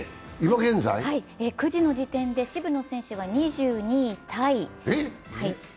９時の時点で渋野選手は２２位タイ。